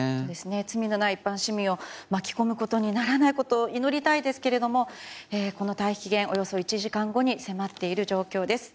罪のない一般市民を巻き込むことにならないことを祈りたいですが、この退避期限およそ１時間後に迫っている状況です。